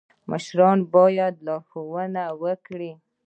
مشران باید لارښوونه وکړي